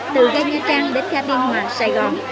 từ ga nghĩa trang đến ga biên hòa sài gòn